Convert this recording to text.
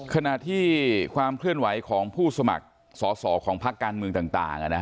ขณะที่ความเคลื่อนไหวของผู้สมัครสอสอของพักการเมืองต่าง